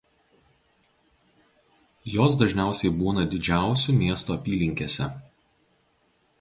Jos dažniausiai būna didžiausių miestų apylinkėse.